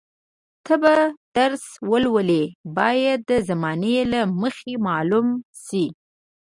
ته به درس ولولې باید د زمانې له مخې معلوم شي.